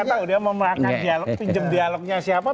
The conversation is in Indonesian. saya katakan dia memerankan pinjam dialognya siapa